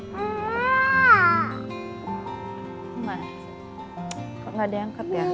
kok gak diangkat ya